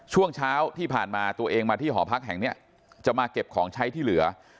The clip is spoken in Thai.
ช่วงเช้าที่ผ่านมาตัวเองมาที่หอพักแห่งนี้จะมาเก็บของใช้ที่เหลือ